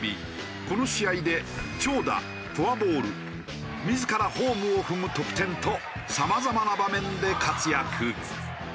この試合で長打フォアボール自らホームを踏む得点とさまざまな場面で活躍。